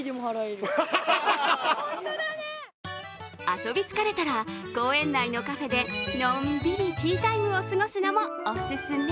遊び疲れたら公園内のカフェでのんびりティータイムを過ごすのもオススメ。